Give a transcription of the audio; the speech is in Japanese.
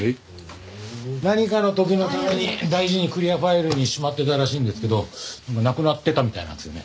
何かの時のために大事にクリアファイルにしまってたらしいんですけどなくなってたみたいなんですよね。